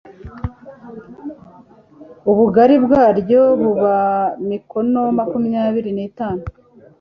ubugari bwaryo buba mikono makumyabiri n itanu